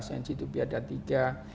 yang g dua b ada tiga